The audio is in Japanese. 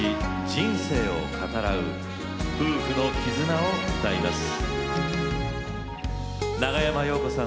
人生を語らう夫婦の絆を歌います。